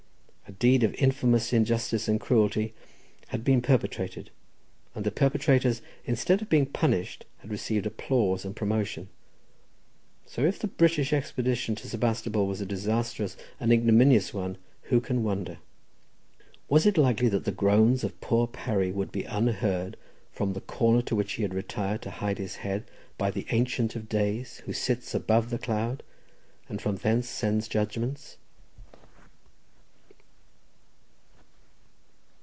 A deed of infamous injustice and cruelty had been perpetrated, and the perpetrators, instead of being punished, had received applause and promotion; so if the British expedition to Sebastopol was a disastrous and ignominious one, who can wonder? Was it likely that the groans of poor Parry would be unheard from the corner to which he had retired to hide his head by "the Ancient of days," who sits above the cloud, and from thence sends judgments?